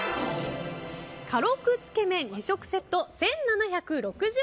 嘉六つけ麺２食セット、１７６０円。